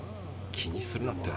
気にするなって。